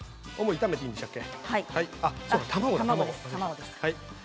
炒めていいんでしたっけ？